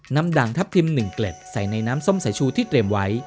ด่างทัพทิม๑เกล็ดใส่ในน้ำส้มสายชูที่เตรียมไว้